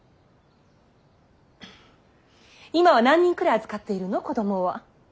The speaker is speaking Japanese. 今は何人くらい預かっているの子供は。